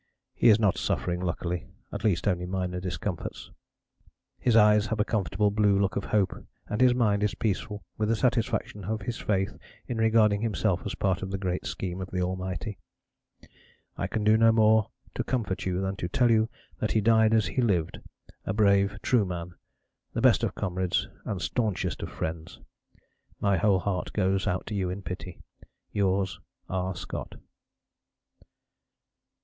He is not suffering, luckily, at least only minor discomforts. His eyes have a comfortable blue look of hope and his mind is peaceful with the satisfaction of his faith in regarding himself as part of the great scheme of the Almighty. I can do no more to comfort you than to tell you that he died as he lived, a brave, true man the best of comrades and staunchest of friends. My whole heart goes out to you in pity. Yours, R. SCOTT.